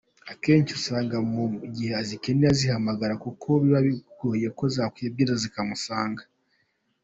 Akenshi usanga mu gihe azikeneye azihamagara kuko biba bigoye kuba zakwibiriza zikamusanga.